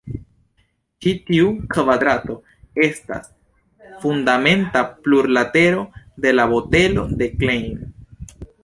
Ĉi tiu kvadrato estas fundamenta plurlatero de la botelo de Klein.